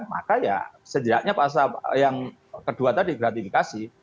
maka ya setidaknya pasal yang kedua tadi gratifikasi